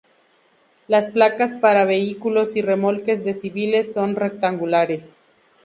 Las placas para vehículos y remolques de civiles son rectangulares.